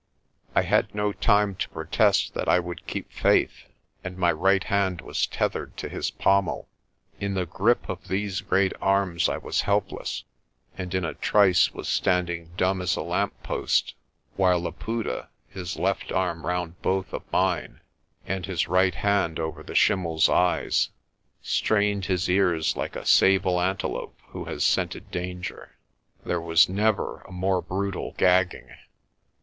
I had no time to protest that I would keep faith, and my right hand was tethered to his pommel. In the grip of these great arms I was helpless, and in a trice was standing dumb as a lamp post; while Laputa, his left arm round both of mine, and his right hand over the schimmePs eyes, strained his ears like a sable antelope who has scented danger. There was never a more brutal gagging.